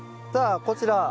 さあこちら。